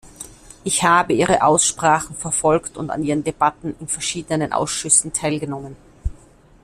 Ich habe Ihre Aussprachen verfolgt und an Ihren Debatten in verschiedenen Ausschüssen teilgenommen.